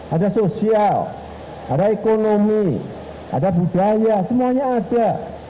ada sosial ada ekonomi ada budaya semuanya ada